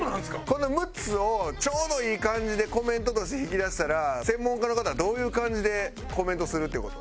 この６つをちょうどいい感じでコメントとして引き出したら専門家の方はどういう感じでコメントするって事？